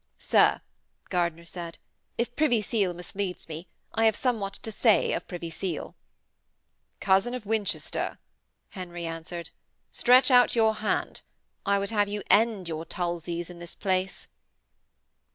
'Sir,' Gardiner said, 'if Privy Seal misleads me, I have somewhat to say of Privy Seal.' 'Cousin of Winchester,' Henry answered. 'Stretch out your hand, I would have you end your tulzies in this place.'